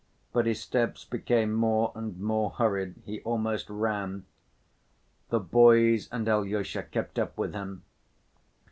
But his steps became more and more hurried, he almost ran. The boys and Alyosha kept up with him.